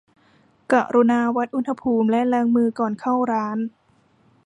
กรุณาวัดอุณหภูมิและล้างมือก่อนเข้าร้าน